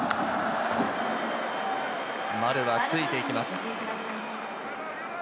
丸はついていきます。